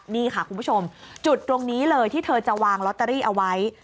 นี่ค่ะคุณผู้ชมจุดตรงนี้เลยที่เธอจะวางลอตเตอรี่เอาไว้